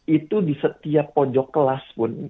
itu di setiap pojok kelas pun